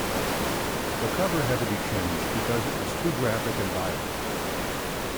The cover had to be changed because it was too graphic and violent.